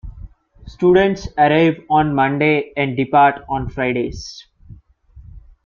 Students arrive on Monday and depart on Fridays.